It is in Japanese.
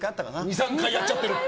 ２３回やっちゃってる。